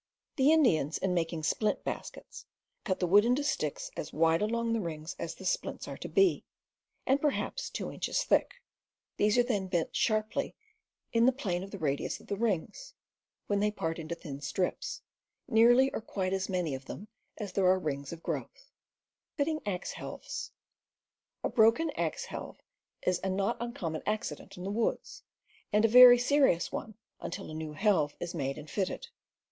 The Indians, in making splint baskets, cut the wood into sticks as wide along the rings as the splints are to be, and perhaps two inches thick. These are then bent 274 CAMPING AND WOODCRAFT sharply in the plane of the radius of the rings, when they part into thin strips, nearly or quite as many of them as there are rings of growth. A broken axe helve is a not uncommon accident in the woods, and a very serious one until a new helve is „.. made and fitted.